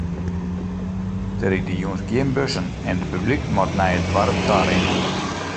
Der ride jûns gjin bussen en it publyk moat nei it doarp ta rinne.